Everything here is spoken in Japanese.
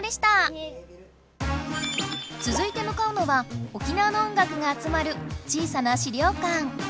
つづいてむかうのは沖縄の音楽があつまる小さな資料館。